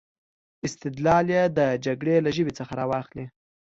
استدلال یې د جګړې له ژبې څخه را واخلي.